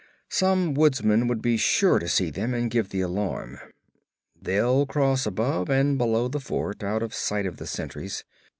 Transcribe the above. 'Some woodsman would be sure to see them and give the alarm. They'll cross above and below the fort, out of sight of the sentries.